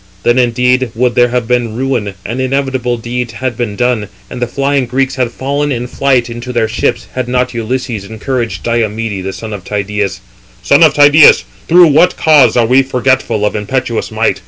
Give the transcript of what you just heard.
Then indeed would there have been ruin; and inevitable deeds had been done, and the flying Greeks had fallen in flight into their ships, had not Ulysses encouraged Diomede, the son of Tydeus: "Son of Tydeus, through what cause are we forgetful of impetuous might?